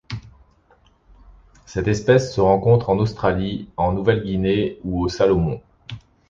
Cette espèce se rencontre en Australie, en Nouvelle-Guinée et aux Salomon.